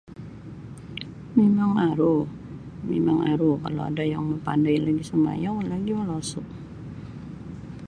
Mimang aru mimang aru kalau ada yang mapandai lagi isa mayiau lagi molosu.